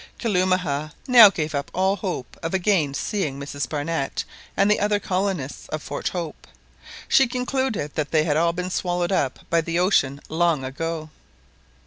Kalumah now gave up all hope of again seeing Mrs Barnett and the other colonists of Fort Hope. She concluded that they had all been swallowed up by the ocean long ago.